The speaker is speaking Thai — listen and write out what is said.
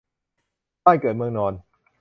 บ้านเกิดเมืองนอน